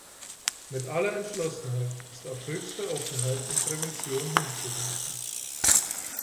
Mit aller Entschlossenheit ist auf höchste Offenheit und Prävention hinzuwirken.